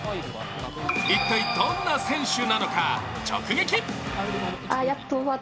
一体どんな選手なのか、直撃。